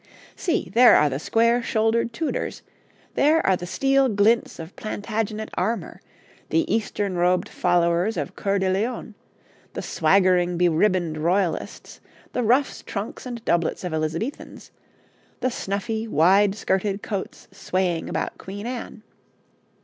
See, there are the square shouldered Tudors; there are the steel glints of Plantagenet armour; the Eastern robed followers of Coeur de Lion; the swaggering beribboned Royalists; the ruffs, trunks, and doublets of Elizabethans; the snuffy, wide skirted coats swaying about Queen Anne.